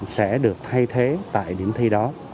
sẽ được thay thế tại điểm thi đó